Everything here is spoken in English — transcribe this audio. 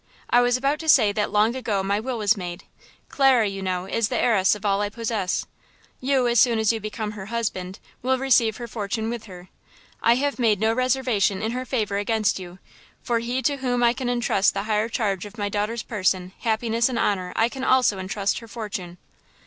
I was about to say that long ago my will was made. Clara, you know, is the heiress of all I possess. You, as soon as you become her husband, will receive her fortune with her. I have made no reservation in her favor against you; for he to whom I can entrust the higher charge of my daughter's person, happiness and honor I can also intrust her fortune."